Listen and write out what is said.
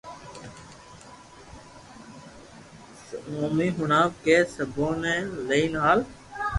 سبوني ھڻاوھ ڪي سبونو لئين ھال